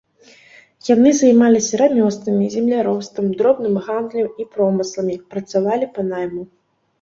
Яны займаліся рамёствамі, земляробствам, дробным гандлем і промысламі, працавалі па найму.